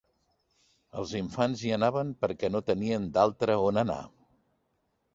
Els infants hi anaven, perquè no tenien d’altre on anar